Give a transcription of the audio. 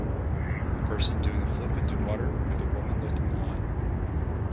A person doing a flip into water with a woman looking on.